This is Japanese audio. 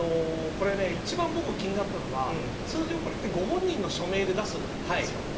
これ、一番僕が気になったのは通常、これってご本人の署名で出すんですよ。